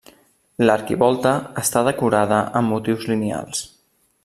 L'arquivolta està decorada amb motius lineals.